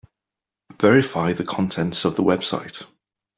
Verify the contents of the website.